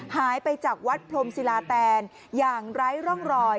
หายไปจากวัดพรมศิลาแตนอย่างไร้ร่องรอย